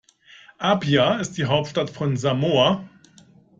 Apia ist die Hauptstadt von Samoa.